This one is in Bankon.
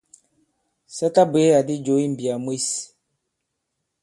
Sa ta bwě àdi jǒ i mbìyà mwes.